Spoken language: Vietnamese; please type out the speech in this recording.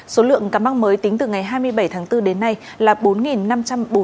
số lượng ca mắc mới tính từ ngày hai mươi bảy tháng bốn đến nay là bốn năm trăm bốn mươi bốn ca